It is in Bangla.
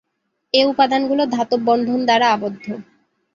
এ উপাদানগুলো ধাতব বন্ধন দ্বারা আবদ্ধ।